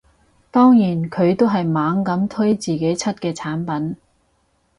當然佢都係猛咁推自己出嘅產品